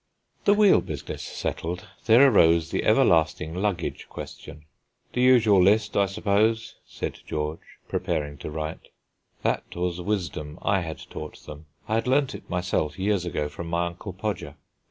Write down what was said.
The wheel business settled, there arose the ever lasting luggage question. "The usual list, I suppose," said George, preparing to write. That was wisdom I had taught them; I had learned it myself years ago from my Uncle Podger.